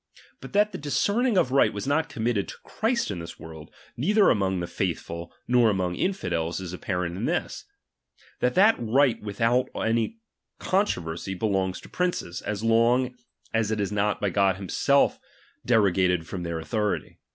But that the discerning of right was not commit ted to Christ in this world, neither among the faithiul nor among infidels, is apparent in this ; that that right without all controversy belongs to princes, as long as it is not by God himself dero gated from their authority.